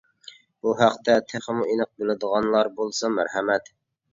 بۇ ھەقتە تېخىمۇ ئېنىق بىلىدىغانلار بولسا مەرھەمەت!